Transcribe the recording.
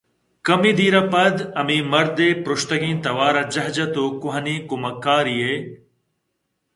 کمے دیر ءَ پد ہمے مرد ءِ پرٛشتگیں توار ءَ جہہ جت توکوٛہنیں کمکارے ئے